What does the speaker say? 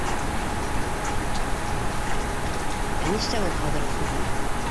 Ә ништәп ул хәҙер осмай?